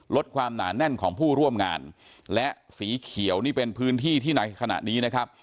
ลดความหนาแน่นของผู้ร่วมงานและสีเขียวนี่เป็นพื้นที่ที่ในขณะนี้นะครับ